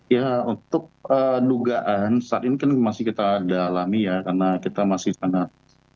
ya untuk dugaan saat ini kan masih kita dalami ya karena kita masih sangat